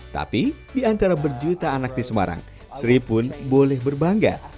tapi di antara berjuta anak di semarang sri pun boleh berbangga